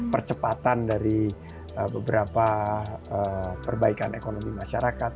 percepatan dari beberapa perbaikan ekonomi masyarakat